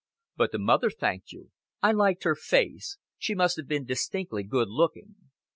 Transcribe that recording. "But the mother thanked you. I liked her face. She must have been distinctly good looking."